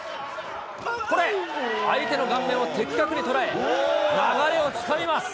これ、相手の顔面を的確に捉え、流れをつかみます。